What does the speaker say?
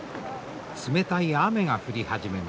冷たい雨が降り始めました。